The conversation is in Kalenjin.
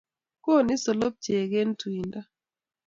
Koni solobchek eng' tuindo